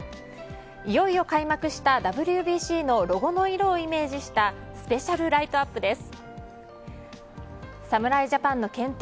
いよいよ開幕したＷＢＣのロゴの色をイメージしたスペシャルライトアップです。